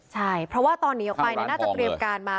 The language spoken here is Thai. ใช่เพราะว่าตอนหนีออกไปน่าจะเตรียมการมา